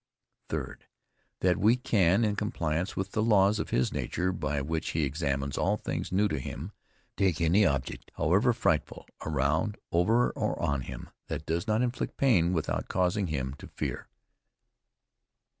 THIRD. That we can, in compliance with the laws of his nature by which he examines all things new to him, take any object, however frightful, around, over or on him, that does not inflict pain, without causing him to fear.